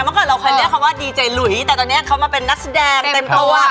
เมื่อก่อนเราเคยเรียกคำว่าดีเจหลุยแต่ตอนนี้เขามาเป็นนักแสดงเต็มตัว